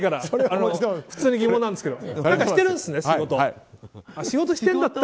普通に疑問なんですけど何かしてるんですね。